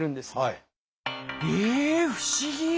ええ不思議！